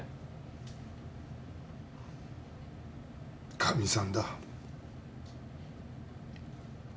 かみさんだ。